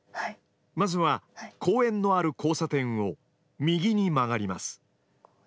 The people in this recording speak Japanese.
まずは公園のある交差点を右に曲がります。